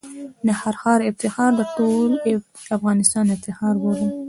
د هر ښار افتخار د ټول افغانستان افتخار بولم.